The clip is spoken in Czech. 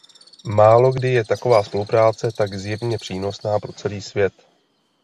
Málokdy je taková spolupráce tak zjevně přínosná pro celý svět.